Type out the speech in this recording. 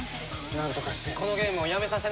なんとかしてこのゲームをやめさせないと。